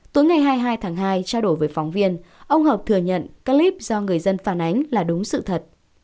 tối ngày hai mươi hai tháng hai trao đổi với phóng viên ông hợp thừa nhận các clip do người dân phản ánh là đúng sự thật